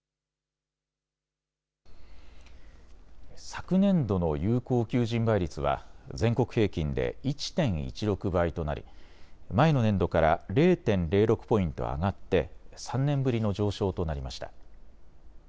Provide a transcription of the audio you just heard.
昨年度の有効求人倍率は全国平均で１．１６倍となり、前の年度から０．０６ポイント上がって３年ぶりの上昇となりました。